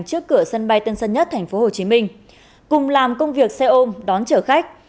trước cửa sân bay tân sân nhất tp hcm cùng làm công việc xe ôm đón chở khách